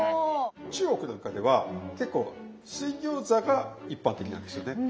中国なんかでは結構水餃子が一般的なんですよね。